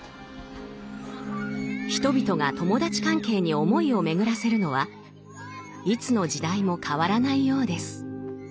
人々が友達関係に思いを巡らせるのはいつの時代も変わらないようです。